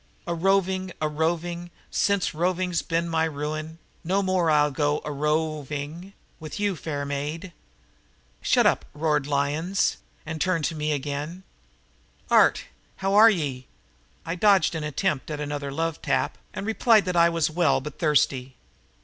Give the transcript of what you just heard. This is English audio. "A roving, a roving Since roving's been my ru i in, No more I'll go a ro o ving with you, fair maid." "Shut up!" roared Lyons and turned again to me. "Art, how are ye?" I dodged an attempt at another love tap and replied that I was well but thirsty.